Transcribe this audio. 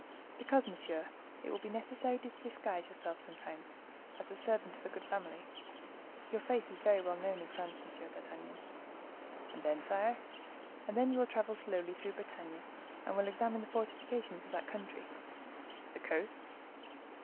"Because, monsieur, it will be necessary to disguise yourself sometimes, as the servant of a good family. Your face is very well known in France, M. d'Artagnan." "And then, sire?" "And then you will travel slowly through Bretagne, and will examine the fortifications of that country." "The coasts?"